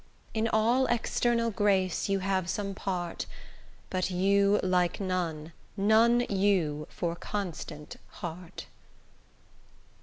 In all external grace you have some part, But you like none, none you, for constant heart.